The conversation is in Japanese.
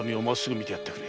会ってやってくれ。